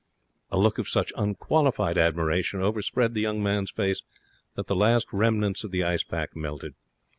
A look of such unqualified admiration overspread the young man's face that the last remnants of the ice pack melted.